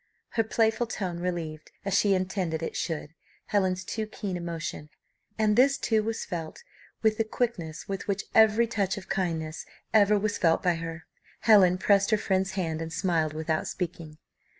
Her playful tone relieved, as she intended it should, Helen's too keen emotion; and this too was felt with the quickness with which every touch of kindness ever was felt by her. Helen pressed her friend's hand, and smiled without speaking.